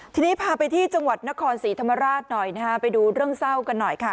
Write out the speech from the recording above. ทีนี้พาไปที่จังหวัดนครศรีธรรมราชหน่อยนะฮะไปดูเรื่องเศร้ากันหน่อยค่ะ